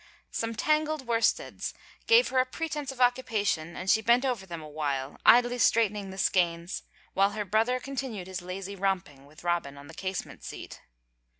Some tangled worsteds gave her a pretense of occupa tion and she bent over them awhile, idly straightening the skeins while her brother continued his lazy romping with Robin on the casement seat.